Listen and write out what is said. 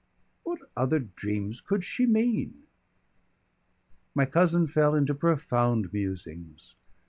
"What other dreams could she mean?" My cousin fell into profound musings.